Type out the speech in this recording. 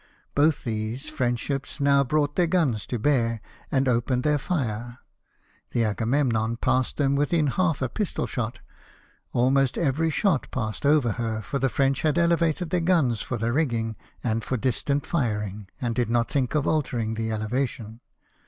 Both these French ships now brought their guns to bear, and opened their fire. The Agartiemnon passed them within half pistol shot ; almost every shot passed over her, for the French had elevated their guns for the rigging, and for distant firing, and did not think of altering the elevation.